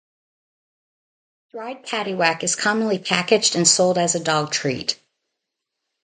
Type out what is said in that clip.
Dried paddywhack is commonly packaged and sold as a dog treat.